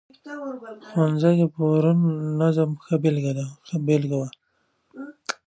ښوونځي پرون د نظم ښه بېلګه وه.